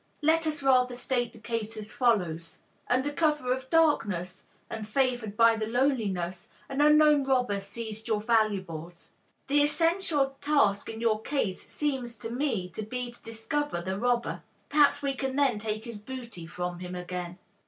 Let us rather state the case as follows: Under cover of darkness, and favored by the loneliness, an unknown robber seized your valuables. The essential task in your case seems to me to be to discover the robber. Perhaps we can then take his booty from him again."